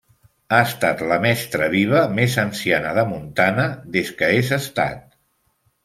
Ha estat la mestra viva més anciana de Montana des que és Estat.